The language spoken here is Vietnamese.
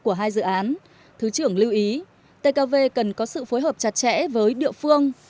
theo dự án thứ trưởng lưu ý tkv cần có sự phối hợp chặt chẽ với địa phương